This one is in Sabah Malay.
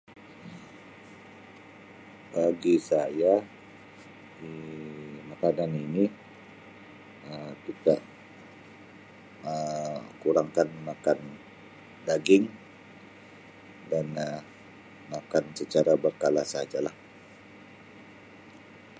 Bagi saya Um makanan ini kita Um kurangkan memakan daging dan Um makan secara berrkala sahaja lah.